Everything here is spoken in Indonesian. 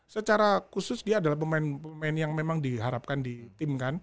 secara khusus dia adalah pemain pemain yang memang diharapkan di tim kan